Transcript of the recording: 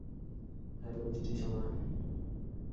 Hello, মিষ্টি সোনা।